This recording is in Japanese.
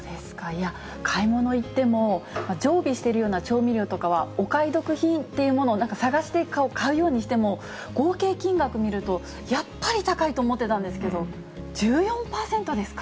いや、買い物行っても、常備しているような調味料とかは、お買い得品というもの、探して買うようにしても、合計金額見ると、やっぱり高いと思ってたんですけど、１４％です